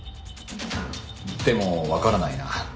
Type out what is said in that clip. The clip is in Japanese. でもわからないな。